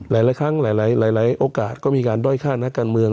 หลายครั้งหลายโอกาสก็มีการด้อยฆ่านักการเมือง